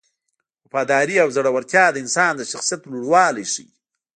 وفاداري او زړورتیا د انسان د شخصیت لوړوالی ښيي.